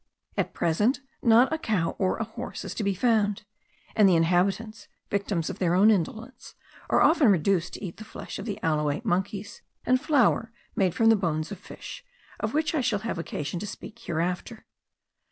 At present, not a cow or a horse is to be found; and the inhabitants, victims of their own indolence, are often reduced to eat the flesh of alouate monkeys, and flour made from the bones of fish, of which I shall have occasion to speak hereafter.